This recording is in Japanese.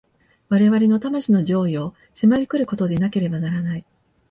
我々の魂の譲与を迫り来ることでなければならない。